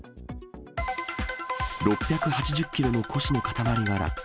６８０キロの古紙の塊が落下。